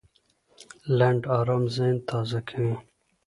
لنډ ارام ذهن تازه کوي.